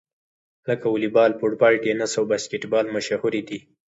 لکه واليبال، فوټبال، ټېنیس او باسکیټبال مشهورې دي.